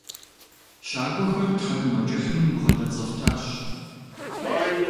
Щакӏуэхьэр тхьэкӏумэкӏыхьым бгъэдэцӏэфтащ.